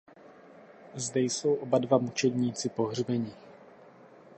Zde jsou oba dva mučedníci pohřbeni.